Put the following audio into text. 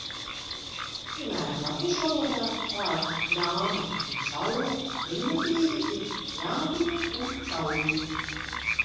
"Piemēram, latviešu valodā vārdu "grāmata" un "saule" deminutīvi ir "grāmatiņa" un "saulīte"."